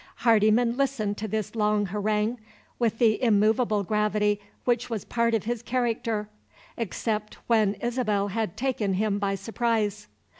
Hardyman listened to this long harangue with the immovable gravity which was part of his character except when Isabel had taken him by surprise.